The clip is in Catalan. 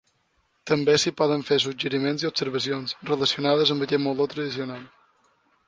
També s’hi poden fer suggeriments i observacions relacionades amb aquest meló tradicional.